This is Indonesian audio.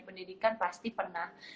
pendidikan pasti pernah